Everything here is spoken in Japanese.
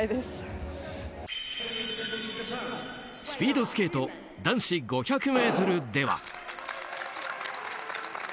スピードスケート男子５００ｍでは。